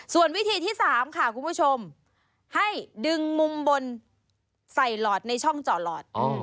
ส่วนวิธีที่๓ค่ะคุณผู้ชมให้ดึงมุมบนใส่หลอดในช่องเจาะหลอด